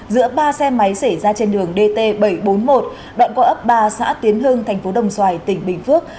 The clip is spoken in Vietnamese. giữa ba xe máy xảy ra trên đường dt bảy trăm bốn mươi một đoạn qua ấp ba xã tiến hưng thành phố đồng xoài tỉnh bình phước